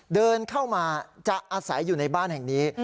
เดินเข้ามาจะอาศัยอยู่ในบ้านแห่งนี้